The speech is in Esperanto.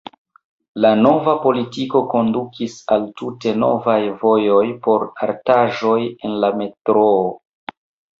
La nova politiko kondukis al tute novaj vojoj por artaĵoj en la metroo.